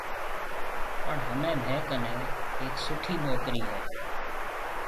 پڻ همي ميه ڪني هيَڪ سُٺِي نوڪرِي هيَ۔